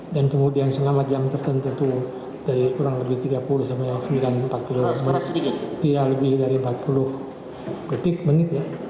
dan kemudian selama jam tertentu dari kurang lebih tiga puluh sampai sembilan tidak lebih dari empat puluh menit